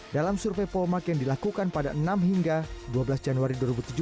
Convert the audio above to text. dalam survei polmark yang dilakukan pada enam hingga dua belas januari dua ribu tujuh belas